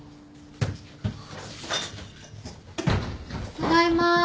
ただいま。